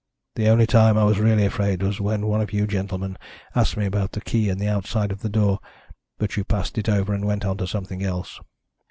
The only time I was really afraid was when one of you gentlemen asked me about the key in the outside of the door, but you passed it over and went on to something else.